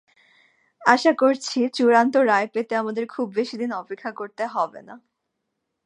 আশা করছি, চূড়ান্ত রায় পেতে আমাদের খুব বেশিদিন অপেক্ষা করতে হবে না।